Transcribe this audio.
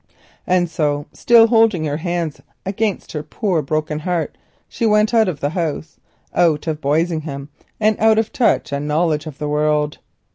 And so, still holding her hands against her poor broken heart, she went out of the house, out of Boisingham and of touch and knowledge of the world.